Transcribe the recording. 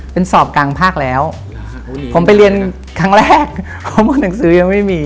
เพราะผมหนังสือยังไม่มี